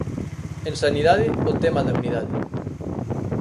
En sanidade, o tema da unidade.